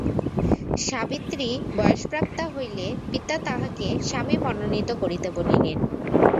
সাবিত্রী বয়ঃপ্রাপ্তা হইলে পিতা তাঁহাকে স্বামী মনোনীত করিতে বলিলেন।